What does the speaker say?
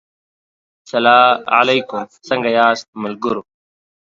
سلا علیکم څنګه یاست ملګرو